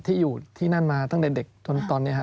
อยู่ที่นั่นมาตั้งแต่เด็กจนตอนนี้ครับ